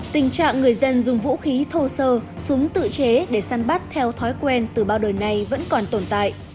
tình trạng người dân dùng vũ khí thô sơ súng tự chế để săn bắt theo thói quen từ bao đời nay vẫn còn tồn tại